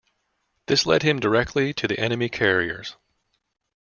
This led him directly to the enemy carriers.